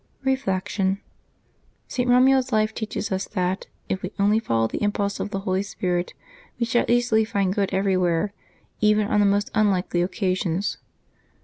Reflection. — St. Eomuald's life teaches us that, if we only follow the impulse of the Holy Spirit, we shall easily find good everrw'here, even on the most unlikely occa sions.